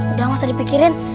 udah gak usah dipikirin